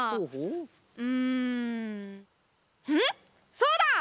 そうだ！